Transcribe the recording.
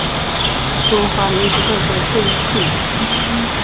中华民国外交陷入困境。